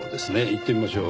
行ってみましょう。